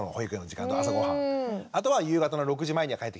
あとは夕方の６時前には帰ってきてくれと。